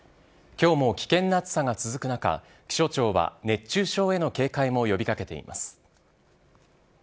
きょうも危険な暑さが続く中、気象庁は熱中症への警戒も呼びかけています。